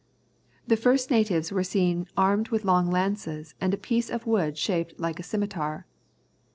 The first natives seen were armed with long lances and a piece of wood shaped like a scimitar.